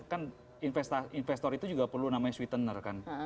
kan investor itu juga perlu namanya sweetener kan